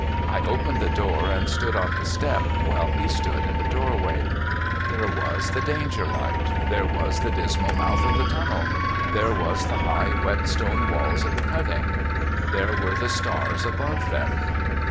I opened the door, and stood on the step, while he stood in the doorway. There was the Danger light. There was the dismal mouth of the tunnel. There were the high, wet stone walls of the cutting. There were the stars above them.